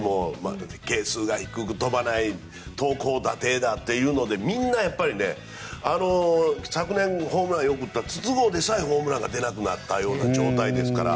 係数が低くて飛ばない投高打低だというので昨年ホームランよく打った筒香でさえホームランが出なくなった状態ですから